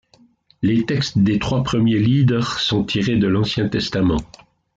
Les textes des trois premiers lieder sont tirés de l'Ancien Testament.